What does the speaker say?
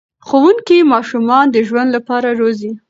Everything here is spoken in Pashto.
ښوونکي ماشومان د ژوند لپاره روزي.